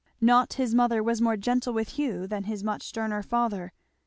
Not his mother was more gentle with Hugh than his much sterner father.